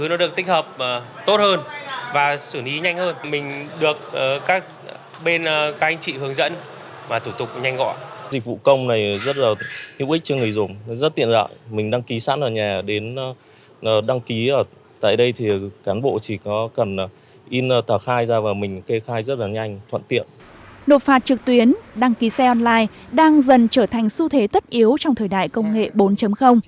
nộp phạt trực tuyến đăng ký xe online đang dần trở thành xu thế tất yếu trong thời đại công nghệ bốn